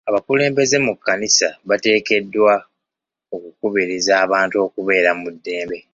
Abakulembeze mu kkanisa bateekeddwa okukubiriza abantu okubeera mu ddembe.